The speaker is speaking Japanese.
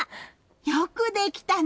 よくできたね！